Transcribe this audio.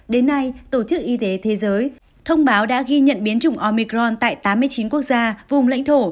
đến nay tổ chức y tế thế giới thông báo đã ghi nhận biến chủng omicron tại tám mươi chín quốc gia vùng lãnh thổ